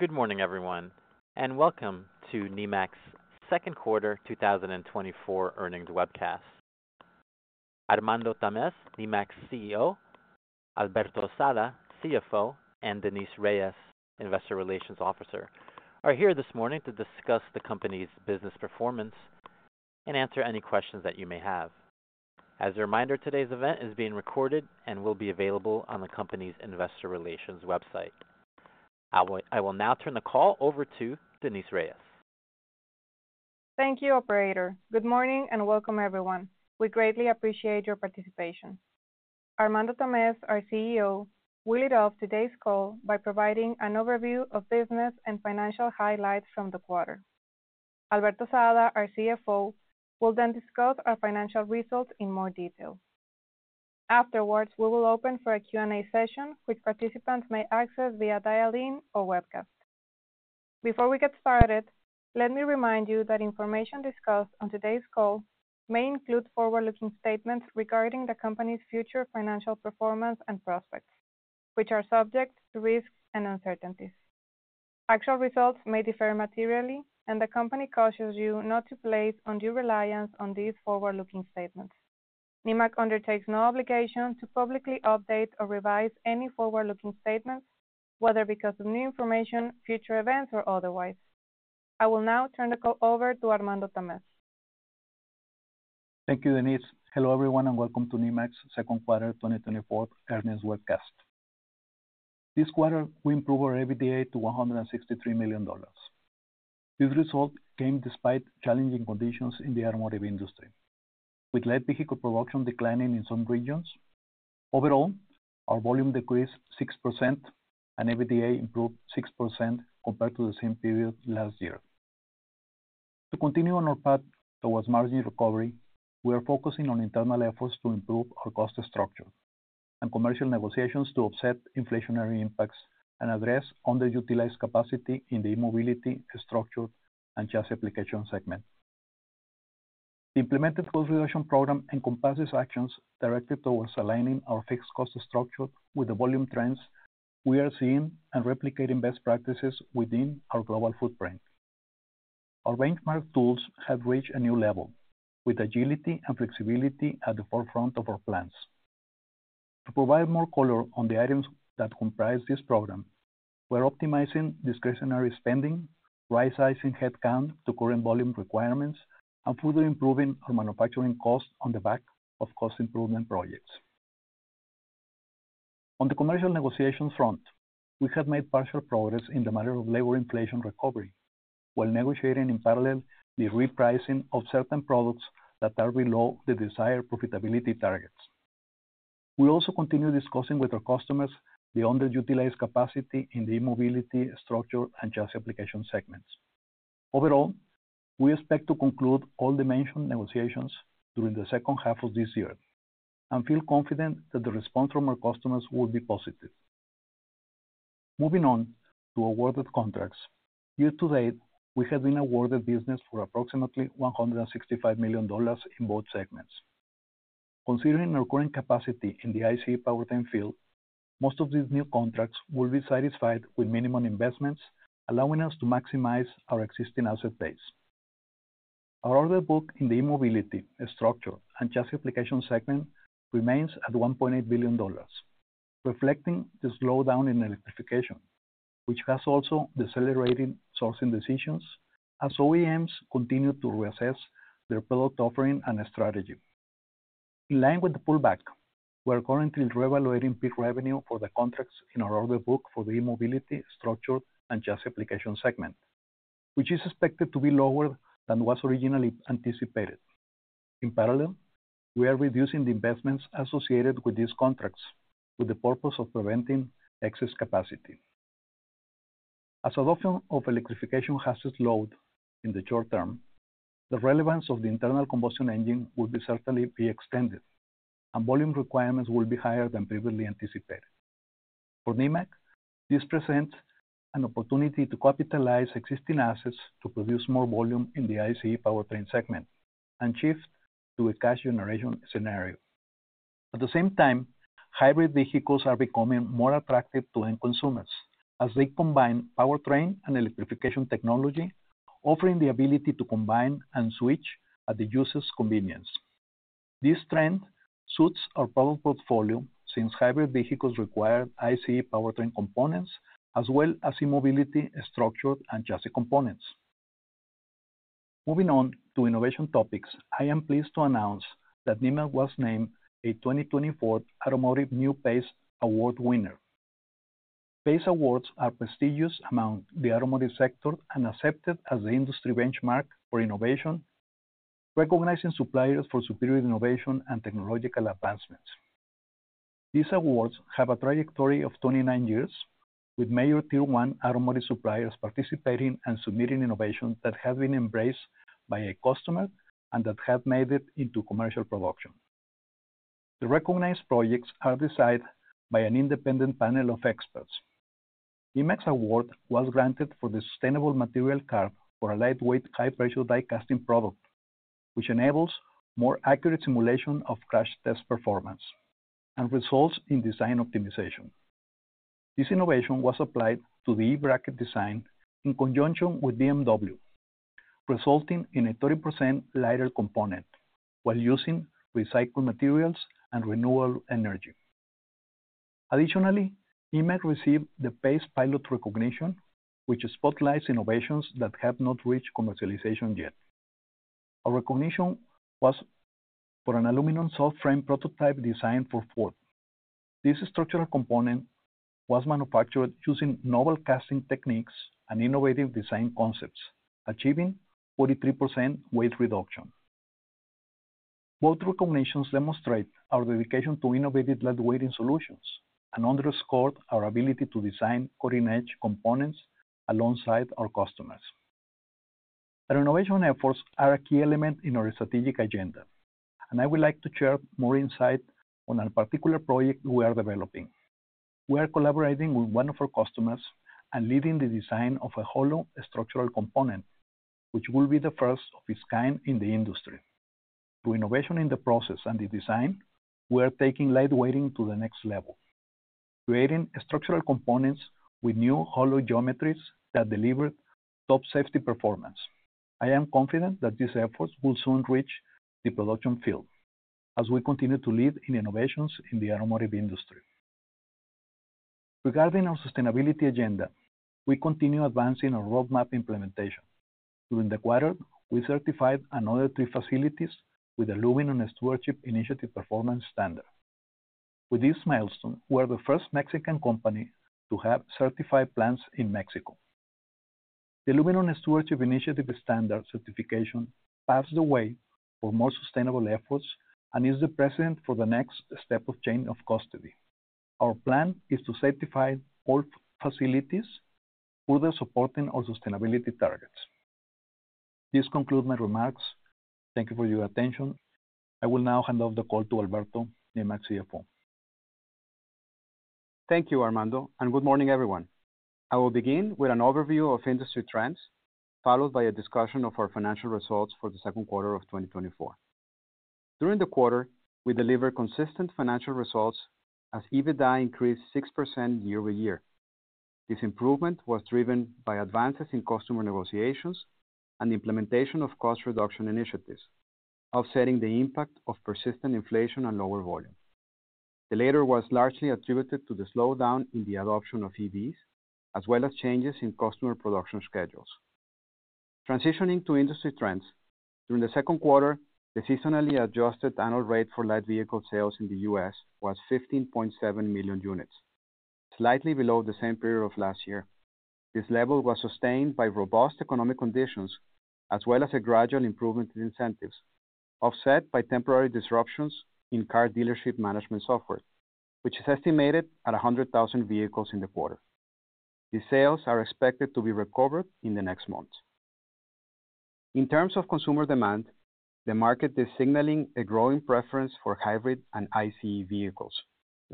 Good morning, everyone, and welcome to Nemak's second quarter 2024 Earnings Webcast. Armando Tamez, Nemak's CEO, Alberto Sada, CFO, and Denise Reyes, Investor Relations Officer, are here this morning to discuss the company's business performance and answer any questions that you may have. As a reminder, today's event is being recorded and will be available on the company's investor relations website. I will now turn the call over to Denise Reyes. Thank you, operator. Good morning, and welcome, everyone. We greatly appreciate your participation. Armando Tamez, our CEO, will lead off today's call by providing an overview of business and financial highlights from the quarter. Alberto Sada, our CFO, will then discuss our financial results in more detail. Afterwards, we will open for a Q&A session, which participants may access via dial-in or webcast. Before we get started, let me remind you that information discussed on today's call may include forward-looking statements regarding the company's future financial performance and prospects, which are subject to risks and uncertainties. Actual results may differ materially, and the company cautions you not to place undue reliance on these forward-looking statements. Nemak undertakes no obligation to publicly update or revise any forward-looking statements, whether because of new information, future events, or otherwise. I will now turn the call over to Armando Tamez. Thank you, Denise. Hello, everyone, and welcome to Nemak's second quarter 2024 Earnings Webcast. This quarter, we improved our EBITDA to $163 million. This result came despite challenging conditions in the automotive industry, with light vehicle production declining in some regions. Overall, our volume decreased 6% and EBITDA improved 6% compared to the same period last year. To continue on our path towards margin recovery, we are focusing on internal efforts to improve our cost structure and commercial negotiations to offset inflationary impacts and address underutilized capacity in the eMobility, Structure, and Chassis Applications segment. The implemented cost reduction program encompasses actions directed towards aligning our fixed cost structure with the volume trends we are seeing, and replicating best practices within our global footprint. Our benchmark tools have reached a new level, with agility and flexibility at the forefront of our plans. To provide more color on the items that comprise this program, we're optimizing discretionary spending, rightsizing headcount to current volume requirements, and further improving our manufacturing costs on the back of cost improvement projects. On the commercial negotiation front, we have made partial progress in the matter of labor inflation recovery, while negotiating in parallel the repricing of certain products that are below the desired profitability targets. We also continue discussing with our customers the underutilized capacity in the eMobility, Structure, and Chassis Applications segments. Overall, we expect to conclude all the mentioned negotiations during the second half of this year, and feel confident that the response from our customers will be positive. Moving on to awarded contracts. Year to date, we have been awarded business for approximately $165 million in both segments. Considering our current capacity in the ICE powertrain field, most of these new contracts will be satisfied with minimum investments, allowing us to maximize our existing asset base. Our order book in the eMobility, Structure, and Chassis Applications segment remains at $1.8 billion, reflecting the slowdown in electrification, which has also decelerated sourcing decisions as OEMs continue to reassess their product offering and strategy. In line with the pullback, we are currently reevaluating peak revenue for the contracts in our order book for the eMobility, Structure, and Chassis Applications segment, which is expected to be lower than was originally anticipated. In parallel, we are reducing the investments associated with these contracts for the purpose of preventing excess capacity. As adoption of electrification has slowed in the short term, the relevance of the internal combustion engine will certainly be extended, and volume requirements will be higher than previously anticipated. For Nemak, this presents an opportunity to capitalize existing assets to produce more volume in the ICE powertrain segment and shift to a cash generation scenario. At the same time, hybrid vehicles are becoming more attractive to end consumers as they combine powertrain and electrification technology, offering the ability to combine and switch at the user's convenience. This trend suits our product portfolio, since hybrid vehicles require ICE powertrain components, as well as eMobility, Structure, and Chassis components. Moving on to innovation topics, I am pleased to announce that Nemak was named a 2024 Automotive News PACE Award winner. PACE Awards are prestigious among the automotive sector and accepted as the industry benchmark for innovation, recognizing suppliers for superior innovation and technological advancements. These awards have a trajectory of 29 years, with major Tier One automotive suppliers participating and submitting innovations that have been embraced by a customer and that have made it into commercial production. The recognized projects are decided by an independent panel of experts. Nemak's award was granted for the Sustainable Material Card for a lightweight, high-pressure die casting product, which enables more accurate simulation of crash test performance and results in design optimization. This innovation was applied to the e-bracket design in conjunction with BMW, resulting in a 30% lighter component, while using recycled materials and renewable energy. Additionally, Nemak received the PACEpilot Recognition, which spotlights innovations that have not reached commercialization yet. Our recognition was for an aluminum subframe prototype designed for Ford. This structural component was manufactured using novel casting techniques and innovative design concepts, achieving 43% weight reduction. Both recognitions demonstrate our dedication to innovative lightweighting solutions, and underscore our ability to design cutting-edge components alongside our customers. Our innovation efforts are a key element in our strategic agenda, and I would like to share more insight on a particular project we are developing. We are collaborating with one of our customers and leading the design of a hollow structural component, which will be the first of its kind in the industry. Through innovation in the process and the design, we are taking lightweighting to the next level, creating structural components with new hollow geometries that deliver top safety performance. I am confident that these efforts will soon reach the production field, as we continue to lead in innovations in the automotive industry. Regarding our sustainability agenda, we continue advancing our roadmap implementation. During the quarter, we certified another three facilities with Aluminum Stewardship Initiative Performance Standard. With this milestone, we're the first Mexican company to have certified plants in Mexico. The Aluminum Stewardship Initiative Standard certification paves the way for more sustainable efforts, and is the precedent for the next step of chain of custody. Our plan is to certify all facilities further supporting our sustainability targets. This concludes my remarks. Thank you for your attention. I will now hand off the call to Alberto, Nemak's CFO. Thank you, Armando, and good morning, everyone. I will begin with an overview of industry trends, followed by a discussion of our financial results for the second quarter of 2024. During the quarter, we delivered consistent financial results as EBITDA increased 6% year-over-year. This improvement was driven by advances in customer negotiations and the implementation of cost reduction initiatives, offsetting the impact of persistent inflation and lower volume. The latter was largely attributed to the slowdown in the adoption of EVs, as well as changes in customer production schedules. Transitioning to industry trends, during the second quarter, the seasonally adjusted annual rate for light vehicle sales in the U.S. was 15.7 million units, slightly below the same period of last year. This level was sustained by robust economic conditions, as well as a gradual improvement in incentives, offset by temporary disruptions in car dealership management software, which is estimated at 100,000 vehicles in the quarter. The sales are expected to be recovered in the next months. In terms of consumer demand, the market is signaling a growing preference for hybrid and ICE vehicles,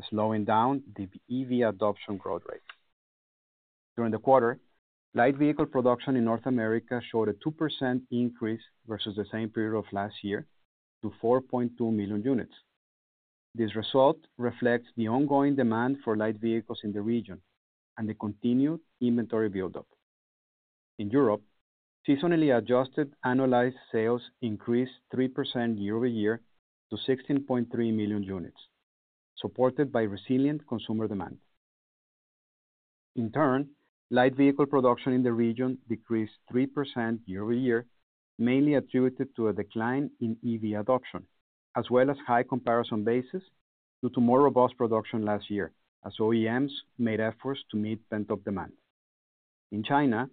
slowing down the EV adoption growth rate. During the quarter, light vehicle production in North America showed a 2% increase versus the same period of last year to 4.2 million units. This result reflects the ongoing demand for light vehicles in the region and the continued inventory buildup. In Europe, seasonally adjusted annualized sales increased 3% year-over-year to 16.3 million units, supported by resilient consumer demand. In turn, light vehicle production in the region decreased 3% year-over-year, mainly attributed to a decline in EV adoption, as well as high comparison basis due to more robust production last year, as OEMs made efforts to meet pent-up demand. In China,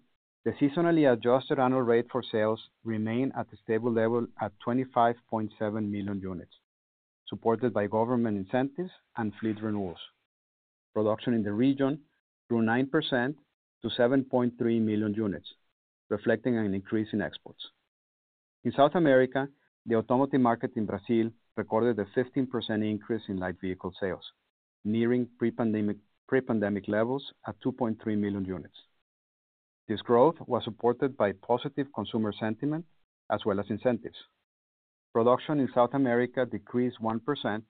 the seasonally adjusted annual rate for sales remained at a stable level at 25.7 million units, supported by government incentives and fleet renewals. Production in the region grew 9% to 7.3 million units, reflecting an increase in exports. In South America, the automotive market in Brazil recorded a 15% increase in light vehicle sales, nearing pre-pandemic, pre-pandemic levels at 2.3 million units. This growth was supported by positive consumer sentiment as well as incentives. Production in South America decreased 1%,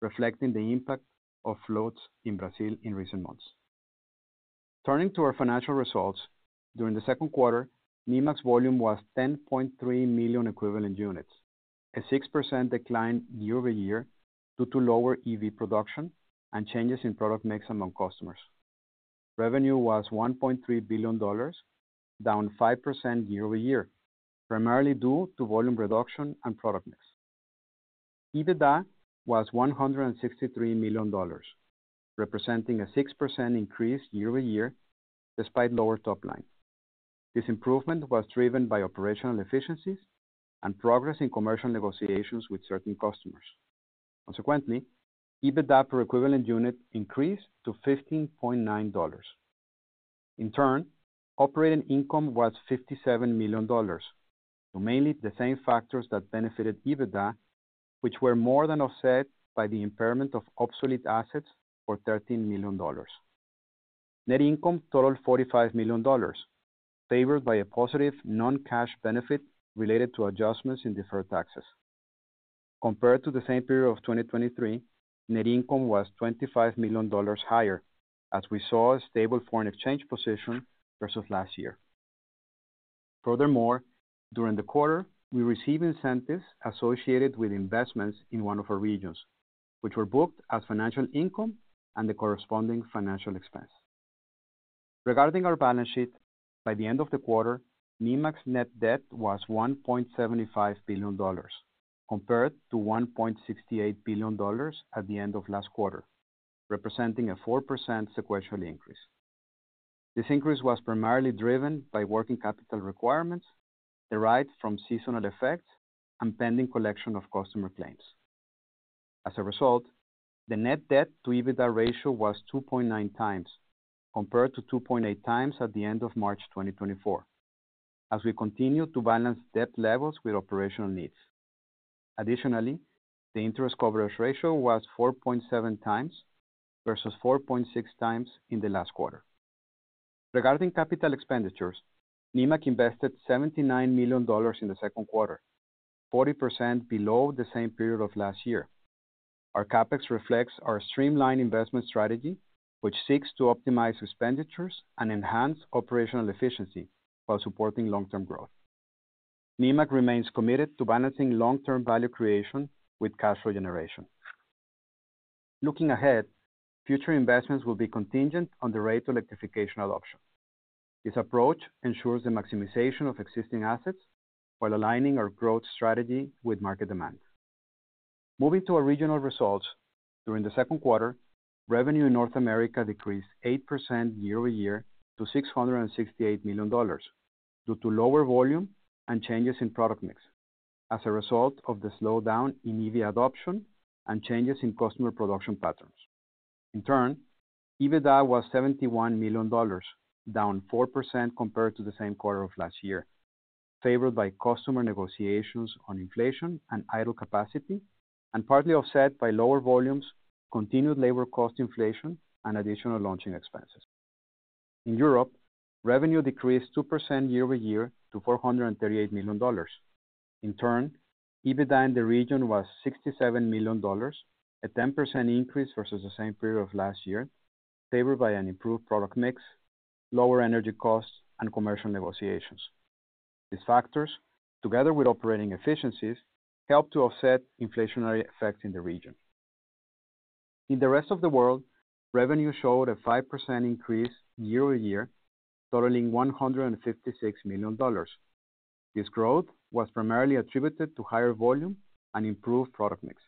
reflecting the impact of floods in Brazil in recent months. Turning to our financial results, during the second quarter, Nemak's volume was 10.3 million equivalent units, a 6% decline year-over-year due to lower EV production and changes in product mix among customers. Revenue was $1.3 billion, down 5% year-over-year, primarily due to volume reduction and product mix. EBITDA was $163 million, representing a 6% increase year-over-year, despite lower top line. This improvement was driven by operational efficiencies and progress in commercial negotiations with certain customers. Consequently, EBITDA per equivalent unit increased to $15.9. In turn, operating income was $57 million, mainly the same factors that benefited EBITDA, which were more than offset by the impairment of obsolete assets for $13 million. Net income totaled $45 million, favored by a positive non-cash benefit related to adjustments in deferred taxes. Compared to the same period of 2023, net income was $25 million higher, as we saw a stable foreign exchange position versus last year. Furthermore, during the quarter, we received incentives associated with investments in one of our regions, which were booked as financial income and the corresponding financial expense. Regarding our balance sheet, by the end of the quarter, Nemak's net debt was $1.75 billion, compared to $1.68 billion at the end of last quarter, representing a 4% sequential increase. This increase was primarily driven by working capital requirements, derived from seasonal effects and pending collection of customer claims. As a result, the net debt to EBITDA ratio was 2.9x, compared to 2.8x at the end of March 2024, as we continue to balance debt levels with operational needs. Additionally, the interest coverage ratio was 4.7xversus 4.6x in the last quarter. Regarding capital expenditures, Nemak invested $79 million in the second quarter, 40% below the same period of last year. Our CapEx reflects our streamlined investment strategy, which seeks to optimize expenditures and enhance operational efficiency while supporting long-term growth. Nemak remains committed to balancing long-term value creation with cash flow generation. Looking ahead, future investments will be contingent on the rate of electrification adoption. This approach ensures the maximization of existing assets while aligning our growth strategy with market demand. Moving to our regional results, during the second quarter, revenue in North America decreased 8% year-over-year to $668 million, due to lower volume and changes in product mix as a result of the slowdown in EV adoption and changes in customer production patterns. In turn, EBITDA was $71 million, down 4% compared to the same quarter of last year, favored by customer negotiations on inflation and idle capacity, and partly offset by lower volumes, continued labor cost inflation, and additional launching expenses. In Europe, revenue decreased 2% year-over-year to $438 million. In turn, EBITDA in the region was $67 million, a 10% increase versus the same period of last year, favored by an improved product mix, lower energy costs, and commercial negotiations. These factors, together with operating efficiencies, helped to offset inflationary effects in the region. In the rest of the world, revenue showed a 5% increase year-over-year, totaling $156 million. This growth was primarily attributed to higher volume and improved product mix.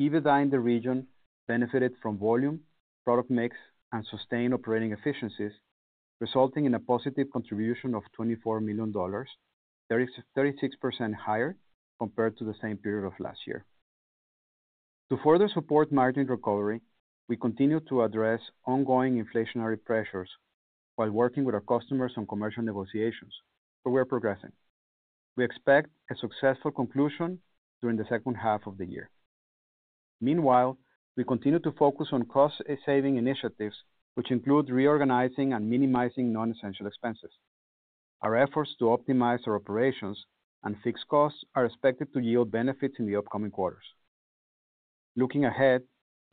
EBITDA in the region benefited from volume, product mix, and sustained operating efficiencies, resulting in a positive contribution of $24 million, 36% higher compared to the same period of last year. To further support margin recovery, we continue to address ongoing inflationary pressures while working with our customers on commercial negotiations, but we are progressing. We expect a successful conclusion during the second half of the year. Meanwhile, we continue to focus on cost saving initiatives, which include reorganizing and minimizing non-essential expenses. Our efforts to optimize our operations and fixed costs are expected to yield benefits in the upcoming quarters. Looking ahead,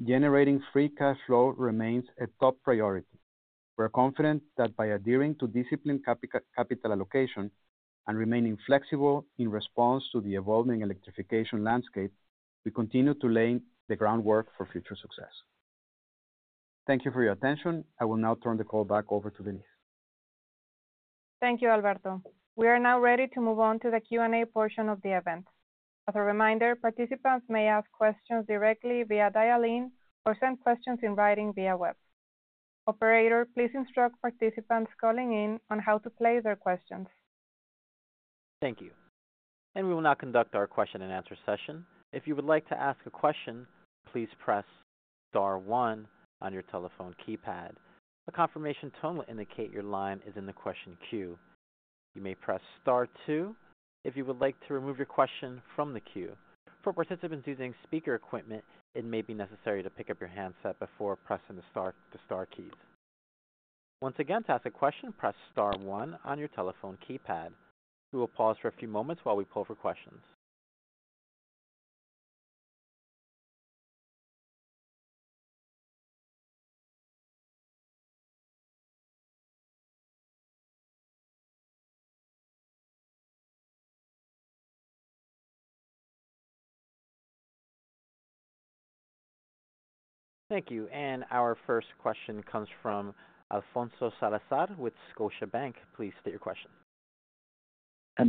generating free cash flow remains a top priority. We're confident that by adhering to disciplined capital allocation and remaining flexible in response to the evolving electrification landscape, we continue to lay the groundwork for future success. Thank you for your attention. I will now turn the call back over to Denise. Thank you, Alberto. We are now ready to move on to the Q&A portion of the event. As a reminder, participants may ask questions directly via dial-in or send questions in writing via web. Operator, please instruct participants calling in on how to place their questions. Thank you. We will now conduct our question-and-answer session. If you would like to ask a question, please press star one on your telephone keypad. A confirmation tone will indicate your line is in the question queue. You may press star two if you would like to remove your question from the queue. For participants using speaker equipment, it may be necessary to pick up your handset before pressing the star, the star keys. Once again, to ask a question, press star one on your telephone keypad. We will pause for a few moments while we poll for questions. Thank you, and our first question comes from Alfonso Salazar with Scotiabank. Please state your question.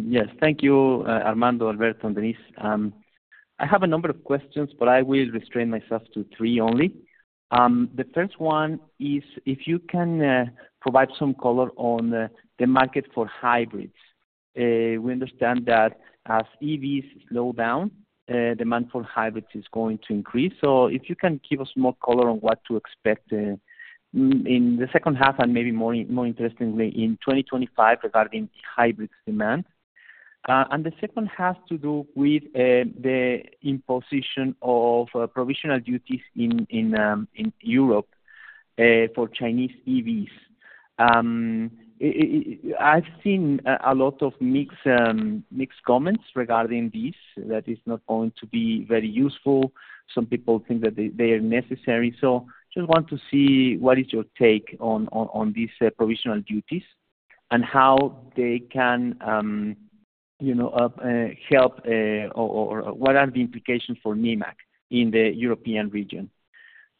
Yes, thank you, Armando, Alberto, and Denise. I have a number of questions, but I will restrain myself to three only. The first one is if you can provide some color on the market for hybrids. We understand that as EVs slow down, demand for hybrids is going to increase. So if you can give us more color on what to expect in the second half, and maybe more interestingly, in 2025 regarding the hybrids demand. And the second has to do with the imposition of provisional duties in Europe for Chinese EVs. I've seen a lot of mixed comments regarding this, that it's not going to be very useful. Some people think that they are necessary. So just want to see what is your take on these provisional duties, and how they can, you know, help or what are the implications for Nemak in the European region?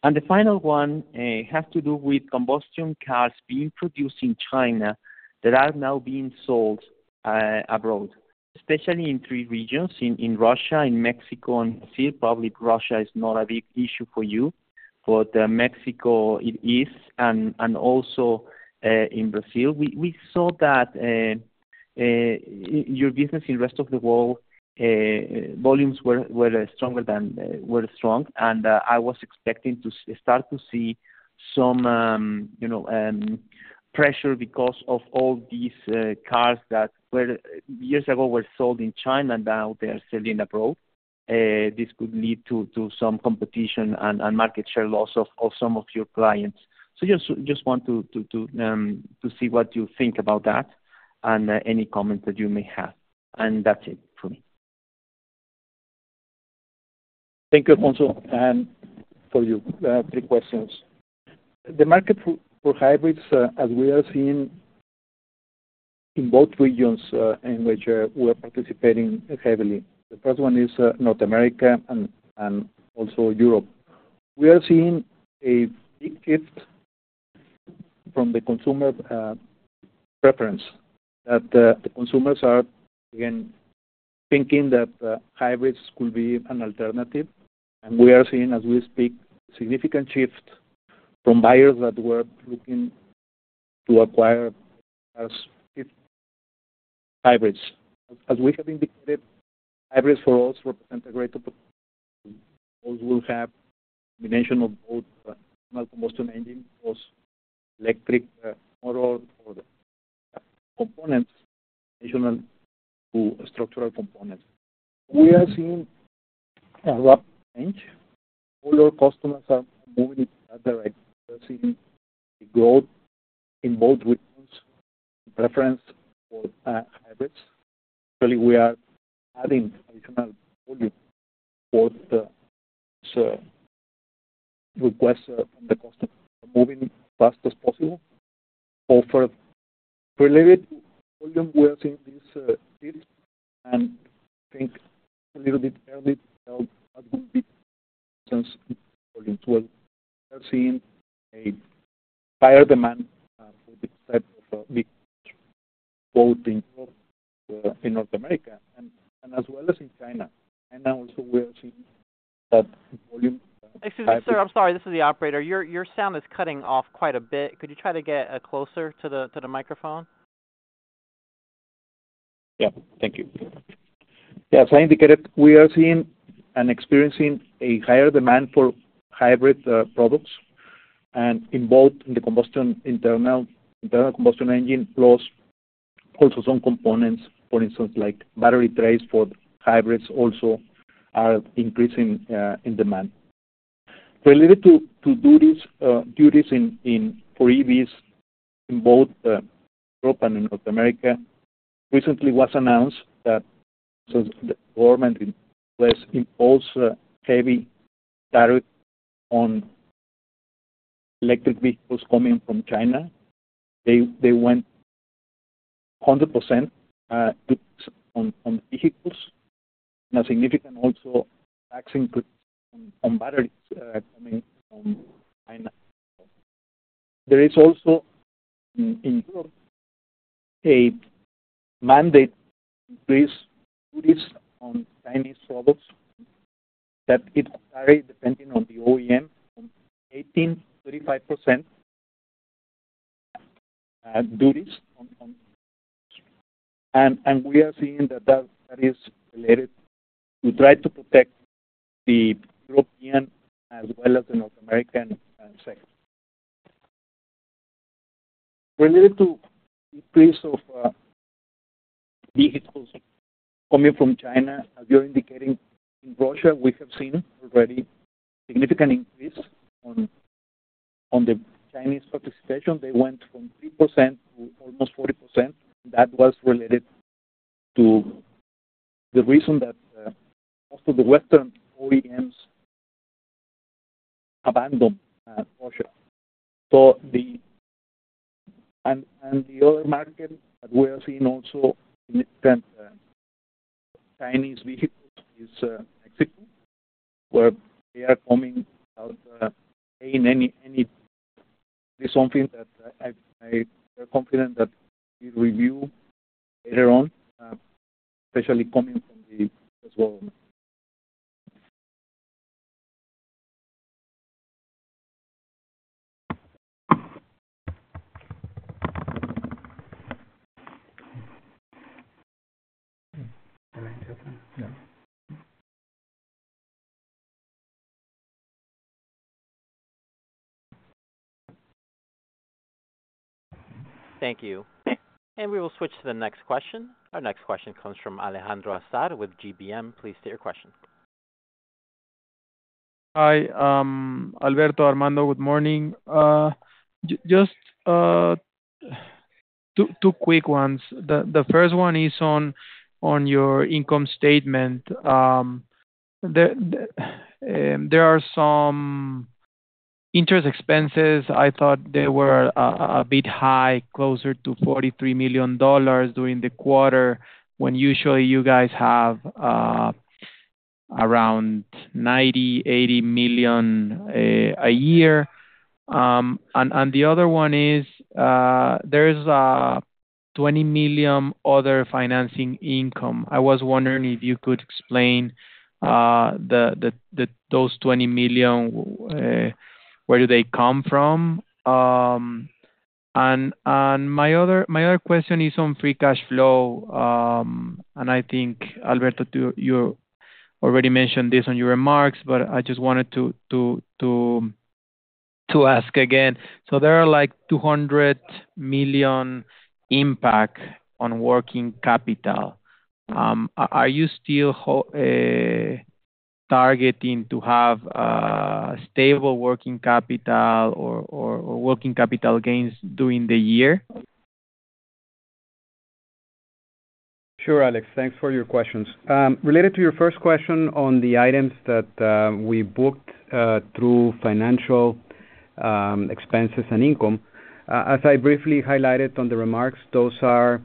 And the final one has to do with combustion cars being produced in China that are now being sold abroad, especially in three regions, in Russia, in Mexico and Brazil. Probably Russia is not a big issue for you, but Mexico it is, and also in Brazil. We saw that your business in rest of the world volumes were stronger than were strong. And I was expecting to start to see some, you know, pressure because of all these cars that were, years ago, were sold in China, now they are selling abroad. This could lead to some competition and market share loss of some of your clients. So just want to see what you think about that, and any comment that you may have. That's it for me. Thank you, Alfonso, and for your three questions. The market for hybrids, as we are seeing in both regions in which we are participating heavily, the first one is North America and also Europe. We are seeing a big shift from the consumer preference, that the consumers are again thinking that hybrids could be an alternative. And we are seeing, as we speak, significant shift from buyers that were looking to acquire as hybrids. As we have indicated, hybrids for us represent a greater those will have combination of both combustion engine, plus electric motor or components, additional to structural components. We are seeing a rapid change. All our customers are moving in that direction. We're seeing growth in both regions, preference for hybrids. Actually, we are adding additional volume for the so requests from the customer, moving as fast as possible. So for related volume, we are seeing this and think a little bit early we are seeing a higher demand for this type of a vehicle, both in North in North America and as well as in China. And now also we are seeing that volume- Excuse me, sir. I'm sorry, this is the operator. Your sound is cutting off quite a bit. Could you try to get closer to the microphone? Yeah. Thank you. Yeah, as I indicated, we are seeing and experiencing a higher demand for hybrid products, and in both the combustion internal combustion engine, plus also some components, for instance, like battery trays for hybrids also are increasing in demand. Related to duties in for EVs in both Europe and in North America, recently was announced that the government in place impose a heavy tariff on electric vehicles coming from China. They went 100% on vehicles, and a significant also tax increase on batteries coming from China. There is also in Europe, a mandate increase duties on Chinese products, that it vary depending on the OEM, 18%-35% duties on. We are seeing that that is related to try to protect the European as well as the North American sector. Related to increase of vehicles coming from China, as you're indicating, in Russia, we have seen already significant increase in the Chinese participation. They went from 3% to almost 40%. That was related to the reason that most of the Western OEMs abandoned Russia. The other market that we are seeing also increase in Chinese vehicles is Mexico, where they are coming out in any event, something that I feel confident that we review later on, especially coming from Asia as well. Thank you. We will switch to the next question. Our next question comes from Alejandro Azar with GBM. Please state your question. Hi, Alberto, Armando, good morning. Just two quick ones. The first one is on your income statement. There are some interest expenses. I thought they were a bit high, closer to $43 million during the quarter, when usually you guys have around $80 million-$90 million a year. And the other one is, there's a $20 million other financing income. I was wondering if you could explain those $20 million, where do they come from? And my other question is on free cash flow. And I think, Alberto, you already mentioned this on your remarks, but I just wanted to ask again. So there are, like, $200 million impact on working capital. Are you still targeting to have stable working capital or working capital gains during the year? Sure, Alex, thanks for your questions. Related to your first question on the items that we booked through financial expenses and income, as I briefly highlighted on the remarks, those are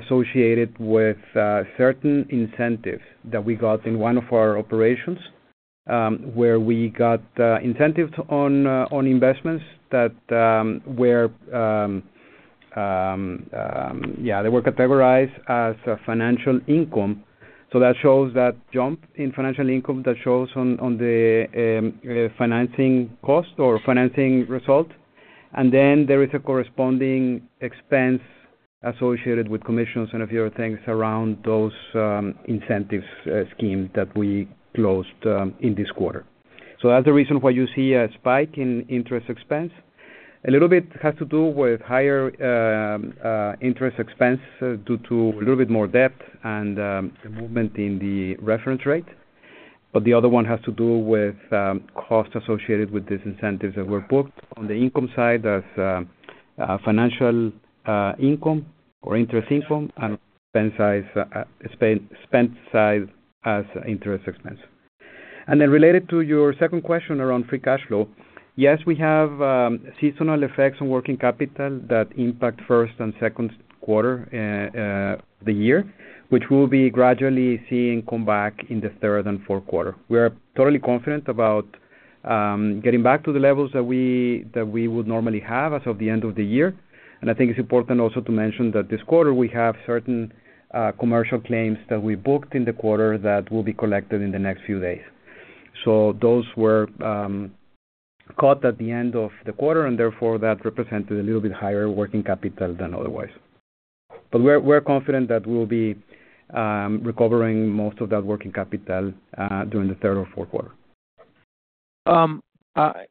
associated with certain incentives that we got in one of our operations, where we got incentives on investments that were. Yeah, they were categorized as financial income. So that shows that jump in financial income, that shows on the financing cost or financing result. And then there is a corresponding expense associated with commissions and a few other things around those incentives scheme that we closed in this quarter. So that's the reason why you see a spike in interest expense. A little bit has to do with higher interest expense due to a little bit more debt and the movement in the reference rate. But the other one has to do with costs associated with these incentives that were booked on the income side as financial income or interest income and expense side, spend side as interest expense. And then related to your second question around free cash flow, yes, we have seasonal effects on working capital that impact first and second quarter of the year, which we'll be gradually seeing come back in the third and fourth quarter. We are totally confident about getting back to the levels that we would normally have as of the end of the year. I think it's important also to mention that this quarter, we have certain commercial claims that we booked in the quarter that will be collected in the next few days. So those were caught at the end of the quarter, and therefore, that represented a little bit higher working capital than otherwise. But we're confident that we'll be recovering most of that working capital during the third or fourth quarter.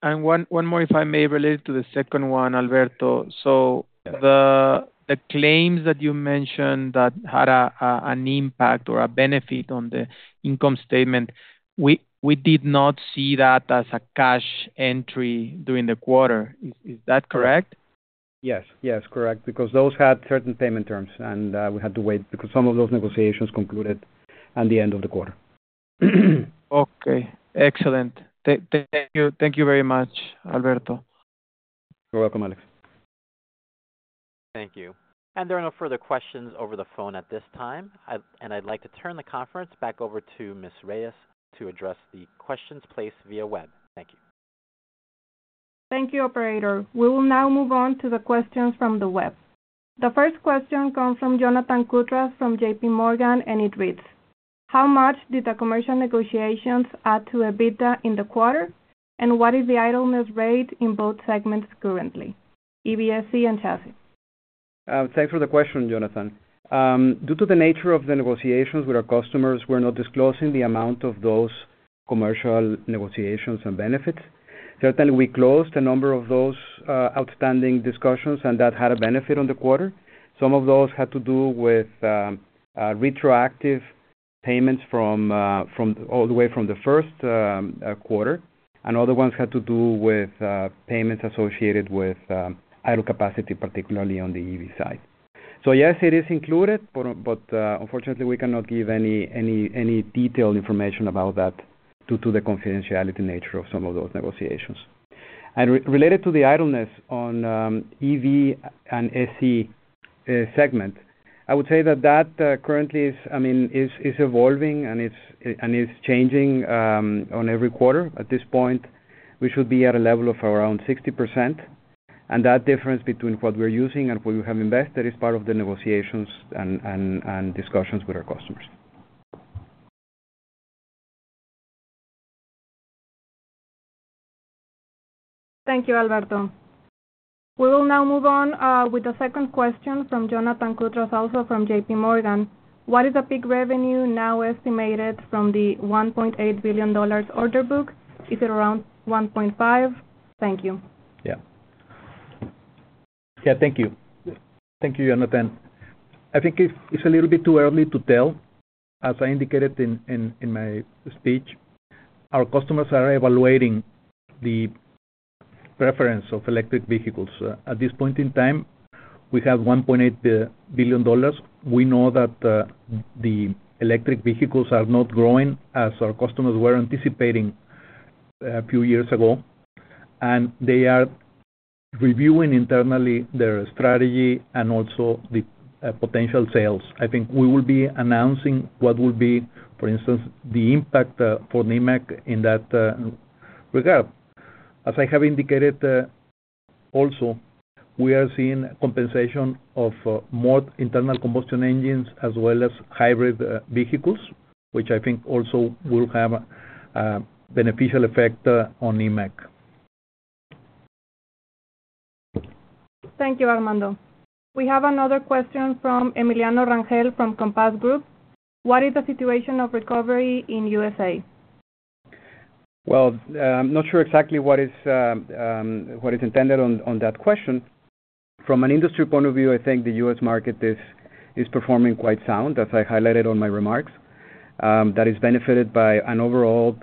And one more, if I may, related to the second one, Alberto. So- The claims that you mentioned that had an impact or a benefit on the income statement, we did not see that as a cash entry during the quarter. Is that correct? Yes. Yes, correct, because those had certain payment terms, and we had to wait because some of those negotiations concluded at the end of the quarter. Okay, excellent. Thank you. Thank you very much, Alberto. You're welcome, Alex. Thank you. And there are no further questions over the phone at this time. And I'd like to turn the conference back over to Ms. Reyes to address the questions placed via web. Thank you. Thank you, operator. We will now move on to the questions from the web. The first question comes from Jonathan Koutras from J.P. Morgan, and it reads: How much did the commercial negotiations add to EBITDA in the quarter? And what is the idleness rate in both segments currently, EVSE and chassis? Thanks for the question, Jonathan. Due to the nature of the negotiations with our customers, we're not disclosing the amount of those commercial negotiations and benefits. Certainly, we closed a number of those outstanding discussions, and that had a benefit on the quarter. Some of those had to do with retroactive payments from all the way from the first quarter, and other ones had to do with payments associated with idle capacity, particularly on the EV side. So yes, it is included, but unfortunately, we cannot give any detailed information about that due to the confidentiality nature of some of those negotiations. Related to the idleness on EV and SE segment, I would say that currently, I mean, is evolving and it's changing every quarter. At this point, we should be at a level of around 60%, and that difference between what we're using and what we have invested is part of the negotiations and discussions with our customers. Thank you, Alberto. We will now move on with the second question from Jonathan Koutras, also from J.P. Morgan. What is the peak revenue now estimated from the $1.8 billion order book? Is it around $1.5 billion? Thank you. Yeah. Yeah, thank you. Thank you, Jonathan. I think it's a little bit too early to tell. As I indicated in my speech, our customers are evaluating the preference of electric vehicles. At this point in time, we have $1.8 billion. We know that the electric vehicles are not growing as our customers were anticipating a few years ago, and they are reviewing internally their strategy and also the potential sales. I think we will be announcing what will be, for instance, the impact for Nemak in that regard. As I have indicated, also, we are seeing compensation of more internal combustion engines as well as hybrid vehicles, which I think also will have a beneficial effect on Nemak. Thank you, Armando. We have another question from Emiliano Rangel from Compass Group: What is the situation of recovery in USA? Well, not sure exactly what is intended on that question. From an industry point of view, I think the U.S. market is performing quite sound, as I highlighted on my remarks. That is benefited by an overall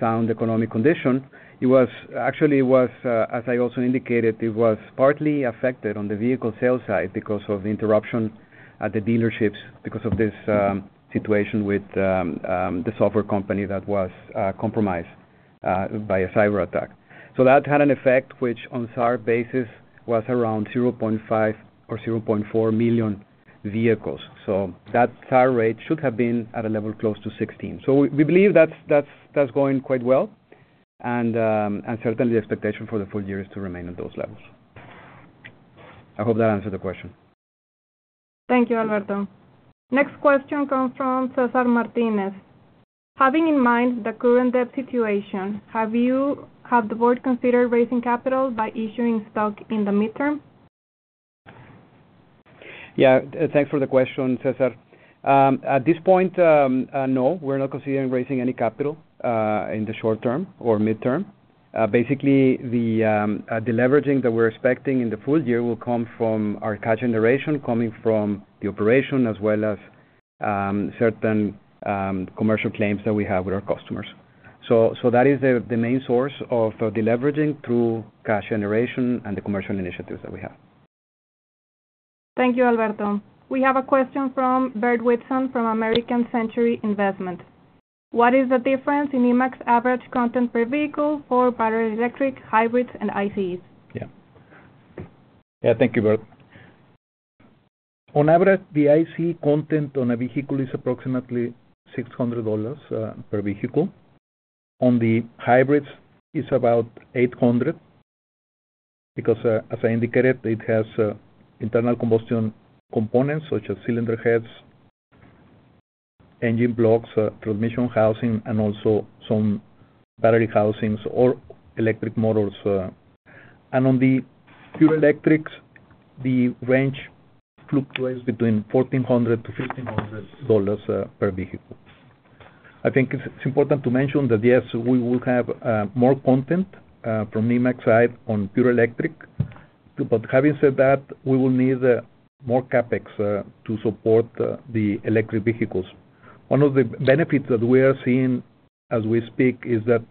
sound economic condition. It was. Actually, it was, as I also indicated, it was partly affected on the vehicle sales side because of the interruption at the dealerships because of this situation with the software company that was compromised by a cyberattack. So that had an effect, which on SAR basis, was around 0.5 million or 0.4 million vehicles. So that SAR rate should have been at a level close to 16. We believe that's going quite well, and certainly the expectation for the full year is to remain at those levels. I hope that answered the question. Thank you, Alberto. Next question comes from Cesar Martinez: Having in mind the current debt situation, have the board considered raising capital by issuing stock in the midterm? Yeah, thanks for the question, Cesar. At this point, no, we're not considering raising any capital in the short term or midterm. Basically, the deleveraging that we're expecting in the full year will come from our cash generation, coming from the operation as well as certain commercial claims that we have with our customers. So that is the main source of deleveraging through cash generation and the commercial initiatives that we have. Thank you, Alberto. We have a question from Bert Whitson from American Century Investments: What is the difference in Nemak's average content per vehicle for battery electric, hybrids, and ICEs? Yeah. Yeah, thank you, Bert. On average, the ICE content on a vehicle is approximately $600 per vehicle. On the hybrids, it's about $800 because, as I indicated, it has internal combustion components, such as cylinder heads, engine blocks, transmission housing, and also some battery housings or electric motors. And on the pure electrics, the range fluctuates between $1,400-$1,500 per vehicle. I think it's important to mention that, yes, we will have more content from Nemak side on pure electric. But having said that, we will need more CapEx to support the electric vehicles. One of the benefits that we are seeing as we speak is that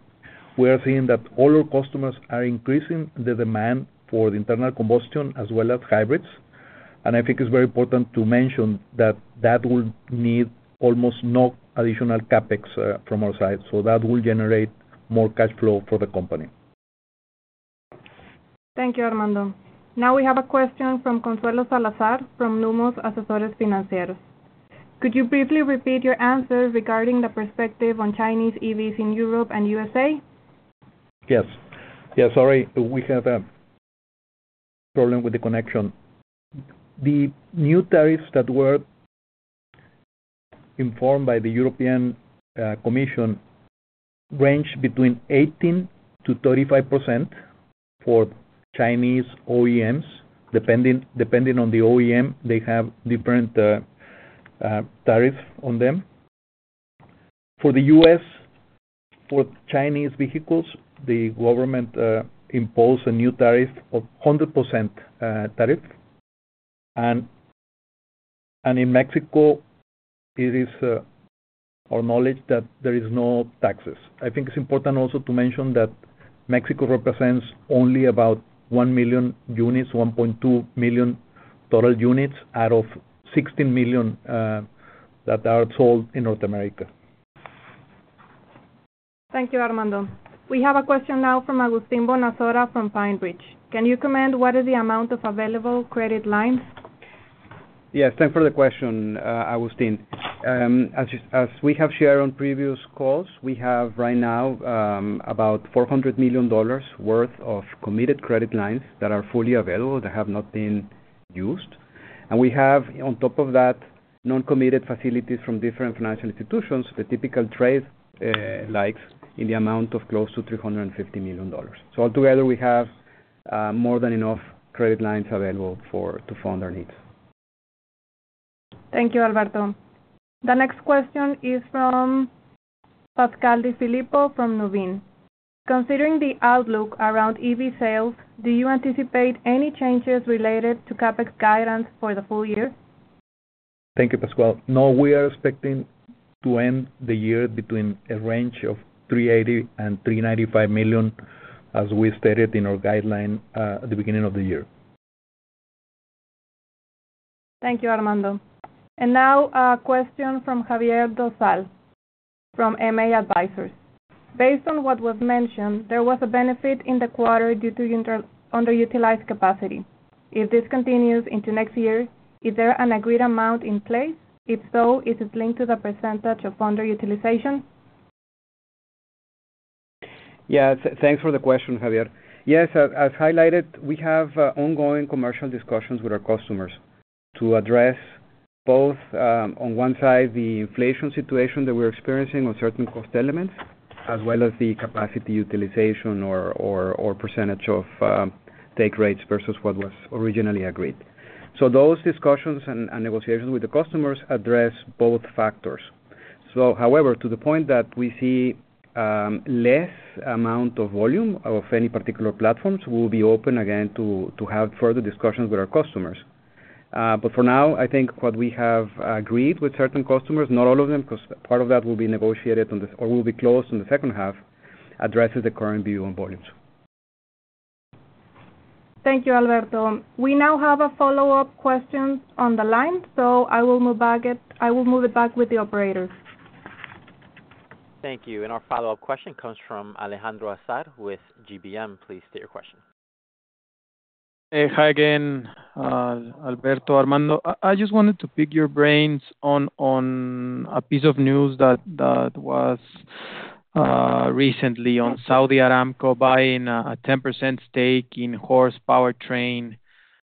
we are seeing that all our customers are increasing the demand for the internal combustion as well as hybrids. I think it's very important to mention that that will need almost no additional CapEx, from our side, so that will generate more cash flow for the company. Thank you, Armando. Now we have a question from Consuelo Salazar, from Lumo Asesores Financieros: Could you briefly repeat your answer regarding the perspective on Chinese EVs in Europe and USA? Yes. Yeah, sorry, we have a problem with the connection. The new tariffs that were informed by the European Commission range between 18%-35% for Chinese OEMs. Depending on the OEM, they have different tariff on them. For the U.S., for Chinese vehicles, the government imposed a new tariff of 100% tariff. And in Mexico, it is our knowledge that there is no taxes. I think it's important also to mention that Mexico represents only about 1 million units, 1.2 million total units, out of 16 million that are sold in North America. Thank you, Armando. We have a question now from Agustín Bonasora, from PineBridge: Can you comment what is the amount of available credit lines? Yeah, thanks for the question, Agustín. As we have shared on previous calls, we have right now about $400 million worth of committed credit lines that are fully available, that have not been used. And we have, on top of that, non-committed facilities from different financial institutions, the typical trade lines in the amount of close to $350 million. So altogether, we have more than enough credit lines available to fund our needs. Thank you, Alberto. The next question is from Pascal De Filippo from Nuveen. Considering the outlook around EV sales, do you anticipate any changes related to CapEx guidance for the full year? Thank you, Pascal. No, we are expecting to end the year between a range of $380 million-$395 million, as we stated in our guideline at the beginning of the year. Thank you, Armando. Now, a question from Javier Dosal, from AM Advisors. Based on what was mentioned, there was a benefit in the quarter due to underutilized capacity. If this continues into next year, is there an agreed amount in place? If so, is it linked to the percentage of underutilization? Yeah, thanks for the question, Javier. Yes, as highlighted, we have ongoing commercial discussions with our customers to address both, on one side, the inflation situation that we're experiencing on certain cost elements, as well as the capacity utilization or percentage of take rates versus what was originally agreed. So those discussions and negotiations with the customers address both factors. So however, to the point that we see less amount of volume of any particular platforms, we'll be open again to have further discussions with our customers. But for now, I think what we have agreed with certain customers, not all of them, 'cause part of that will be negotiated or will be closed in the second half, addresses the current view on volumes. Thank you, Alberto. We now have a follow-up question on the line, so I will move it back with the operator. Thank you, and our follow-up question comes from Alejandro Azar with GBM. Please state your question. Hey, hi again, Alberto, Armando. I just wanted to pick your brains on a piece of news that was recently on Saudi Aramco buying a 10% stake in HORSE Powertrain.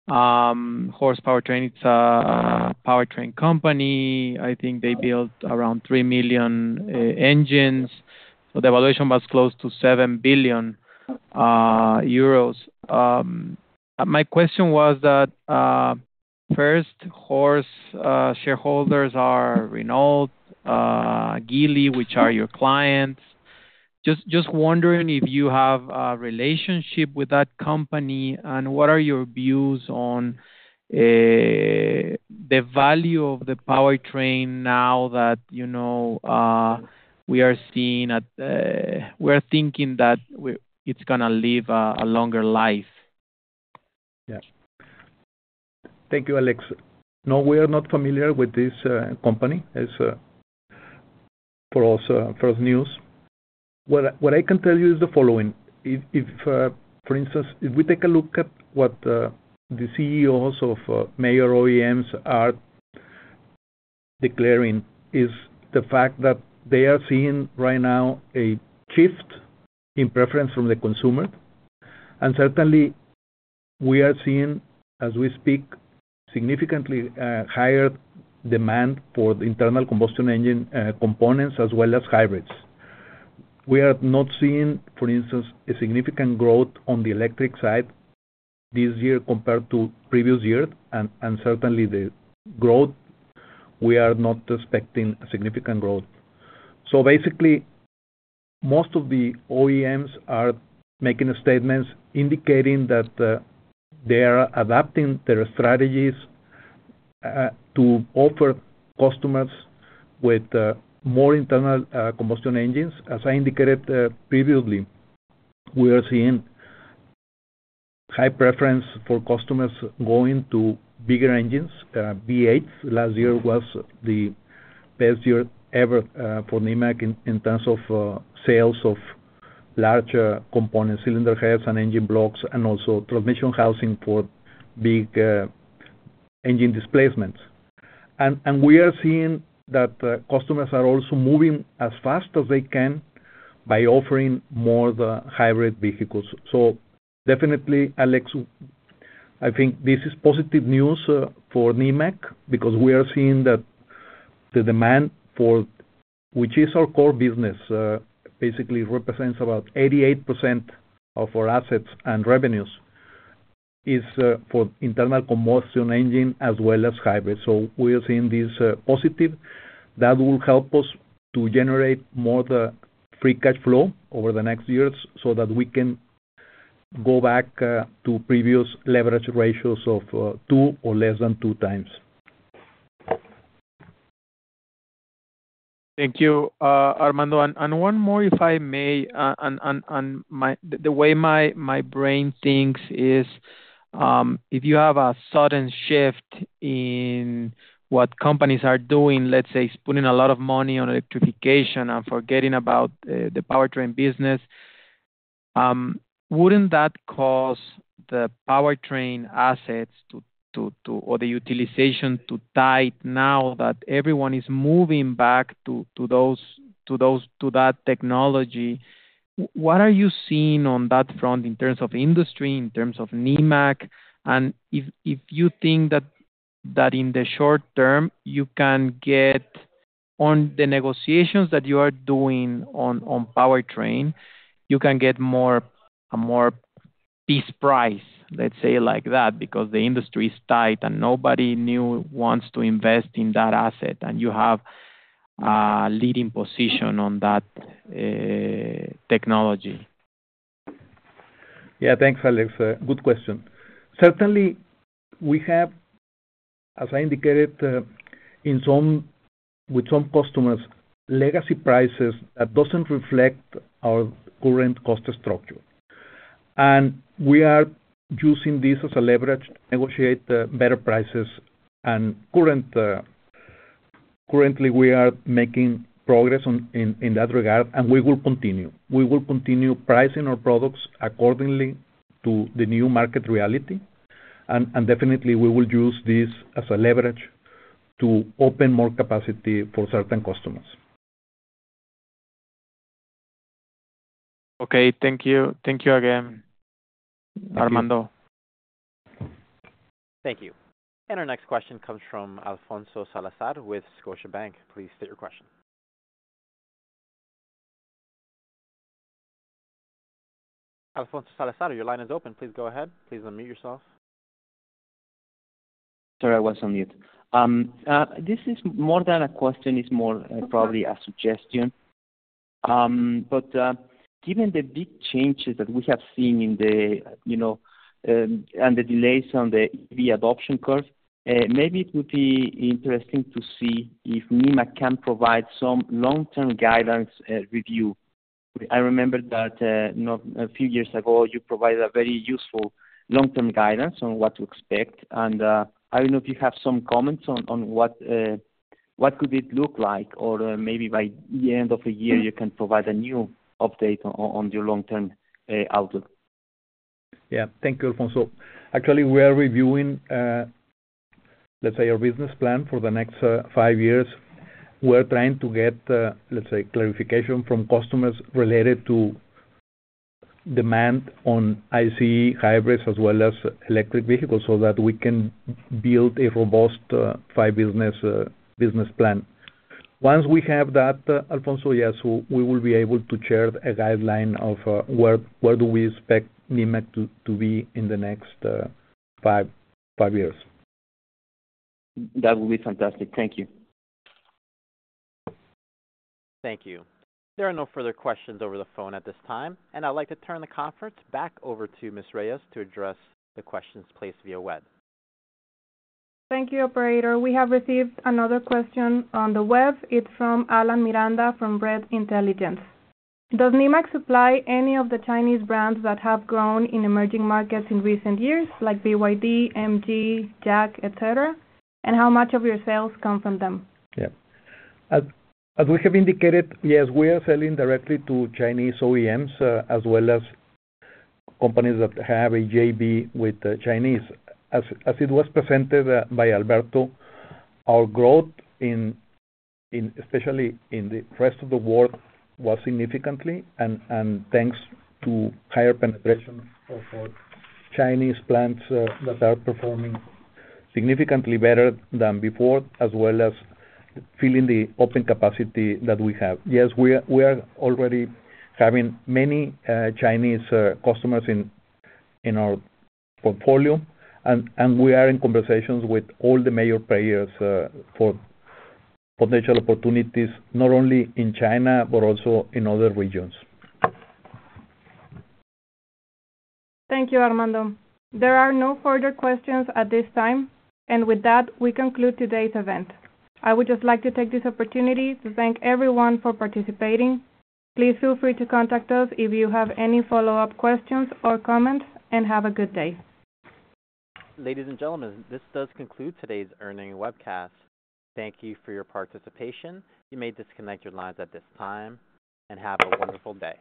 HORSE Powertrain, it's a powertrain company. I think they build around 3 million engines, so the valuation was close to 7 billion euros. My question was that first, HORSE's shareholders are Renault, Geely, which are your clients. Just wondering if you have a relationship with that company, and what are your views on the value of the powertrain now that, you know, we are seeing at-- we're thinking that it's gonna live a longer life? Yes. Thank you, Alex. No, we are not familiar with this company. It's for us first news. What I can tell you is the following: If, for instance, if we take a look at what the CEOs of major OEMs are declaring, is the fact that they are seeing right now a shift in preference from the consumer. And certainly, we are seeing, as we speak, significantly higher demand for the internal combustion engine components, as well as hybrids. We are not seeing, for instance, a significant growth on the electric side this year compared to previous year, and certainly the growth, we are not expecting a significant growth. So basically, most of the OEMs are making statements indicating that they are adapting their strategies to offer customers with more internal combustion engines. As I indicated, previously, we are seeing high preference for customers going to bigger engines, V8s. Last year was the best year ever, for Nemak in terms of sales of larger component cylinder heads and engine blocks, and also transmission housing for big engine displacements. And we are seeing that customers are also moving as fast as they can by offering more of the hybrid vehicles. So definitely, Alex, I think this is positive news for Nemak, because we are seeing that the demand for, which is our core business, basically represents about 88% of our assets and revenues, is for internal combustion engine as well as hybrids. So we are seeing this positive. That will help us to generate more the free cash flow over the next years, so that we can go back to previous leverage ratios of 2x or less than 2x. Thank you, Armando. And one more, if I may, the way my brain thinks is, if you have a sudden shift in what companies are doing, let's say, putting a lot of money on electrification and forgetting about the powertrain business, wouldn't that cause the powertrain assets to or the utilization to tighten now that everyone is moving back to those, to that technology? What are you seeing on that front in terms of industry, in terms of Nemak? And if you think that in the short term, you can get on the negotiations that you are doing on powertrain, you can get more, a more- This price, let's say it like that, because the industry is tight, and nobody new wants to invest in that asset, and you have a leading position on that technology. Yeah. Thanks, Alex. Good question. Certainly, we have, as I indicated, in some with some customers, legacy prices, that doesn't reflect our current cost structure. And we are using this as a leverage to negotiate better prices. And currently, we are making progress in that regard, and we will continue. We will continue pricing our products accordingly to the new market reality, and definitely we will use this as a leverage to open more capacity for certain customers. Okay, thank you. Thank you again, Armando. Thank you. Our next question comes from Alfonso Salazar with Scotiabank. Please state your question. Alfonso Salazar, your line is open. Please go ahead. Please unmute yourself. Sorry, I was on mute. This is more than a question, it's more, probably a suggestion. But, given the big changes that we have seen in the, you know, and the delays on the, the adoption curve, maybe it would be interesting to see if Nemak can provide some long-term guidance, review. I remember that, you know, a few years ago, you provided a very useful long-term guidance on what to expect, and, I don't know if you have some comments on, on what, what could it look like, or, maybe by the end of the year, you can provide a new update on your long-term, outlook. Yeah. Thank you, Alfonso. Actually, we are reviewing, let's say, our business plan for the next five years. We're trying to get, let's say, clarification from customers related to demand on ICE hybrids as well as electric vehicles, so that we can build a robust five-year business plan. Once we have that, Alfonso, yes, we will be able to share a guideline of where do we expect Nemak to be in the next five years. That will be fantastic. Thank you. Thank you. There are no further questions over the phone at this time, and I'd like to turn the conference back over to Ms. Reyes to address the questions placed via web. Thank you, operator. We have received another question on the web. It's from Alan Miranda, from REDD Intelligence. Does Nemak supply any of the Chinese brands that have grown in emerging markets in recent years, like BYD, MG, JAC, et cetera, and how much of your sales come from them? Yeah. As we have indicated, yes, we are selling directly to Chinese OEMs, as well as companies that have a JV with the Chinese. As it was presented by Alberto, our growth, especially in the rest of the world, was significantly, and thanks to higher penetration of our Chinese plants that are performing significantly better than before, as well as filling the open capacity that we have. Yes, we are already having many Chinese customers in our portfolio, and we are in conversations with all the major players for potential opportunities, not only in China, but also in other regions. Thank you, Armando. There are no further questions at this time, and with that, we conclude today's event. I would just like to take this opportunity to thank everyone for participating. Please feel free to contact us if you have any follow-up questions or comments, and have a good day. Ladies and gentlemen, this does conclude today's earnings webcast. Thank you for your participation. You may disconnect your lines at this time, and have a wonderful day.